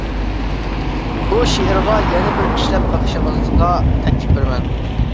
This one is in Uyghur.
بۇ شېئىرغا يەنە بىر ئىشلەپ بېقىشىڭىزغا تەكلىپ بېرىمەن.